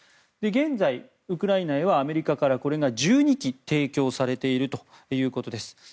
現在、ウクライナへはアメリカからこれが１２基提供されているということです。